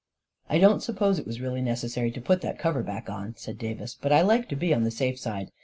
" I don't suppose it was really necessary to put that cover back," said Davis; " but I like to be on the safe side.